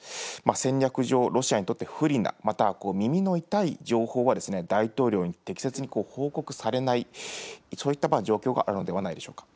戦略上、ロシアにとって不利な、または耳の痛い情報は大統領に適切に報告されない、そういった状況があるのではないでしょうか。